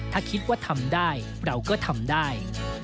ถ้าคิดว่าทำได้เราก็ทำได้